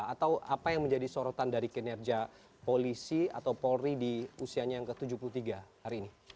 atau apa yang menjadi sorotan dari kinerja polisi atau polri di usianya yang ke tujuh puluh tiga hari ini